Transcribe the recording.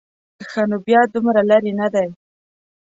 ښه نو بیا دومره لرې نه دی.